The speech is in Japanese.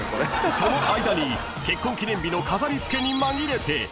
［その間に結婚記念日の飾り付けに紛れて］